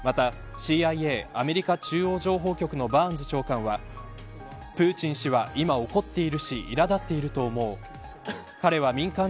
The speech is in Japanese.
またＣＩＡアメリカ中央情報局のバーンズ長官はプーチン氏は今、怒っているしいら立っていると思う。